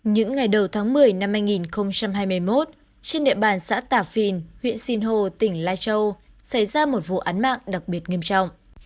những ngày đầu tháng một mươi năm hai nghìn hai mươi một trên địa bàn xã tả phìn huyện sinh hồ tỉnh lai châu xảy ra một vụ án mạng đặc biệt nghiêm trọng